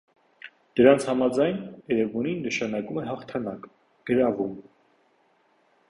Դրանց համաձայն՝ էրեբունի նշանակում է «հաղթանակ», «գրավում»։